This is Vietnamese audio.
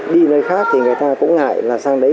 đi nơi khác thì người ta cũng ngại là sang đấy